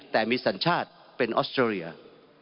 แต่มีสัญชาติเป็นออสเตรเลีย